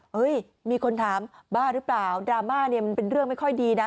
มีคนถามบ้าหรือเปล่าดราม่าเนี่ยมันเป็นเรื่องไม่ค่อยดีนะ